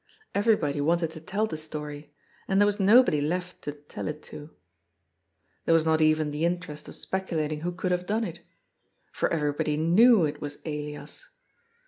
Everybody wanted to tell the story, and there was nobody left to tell it to. There was not even 430 GOD'S POOL. the interest of speculating who could have done it. For everybody knew it was Elias.